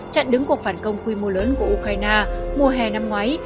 chặn đứng cuộc phản công quy mô lớn của ukraine mùa hè năm ngoái